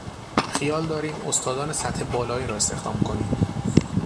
خیال داریم استادان سطح بالایی را استخدام کنیم.